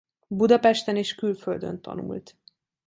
Budapesten és külföldön tanult.